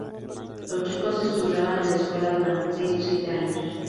Los chicos estudiaban en la escuela durante seis o siete años.